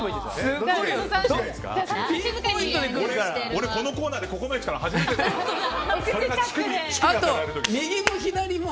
俺、このコーナーでここまで来たの初めてかも。